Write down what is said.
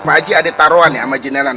bu aji ada taruhan ya sama sinelan